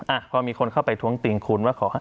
อ่ะพอมีคนเข้าไปท้วงติงคุณว่าขอ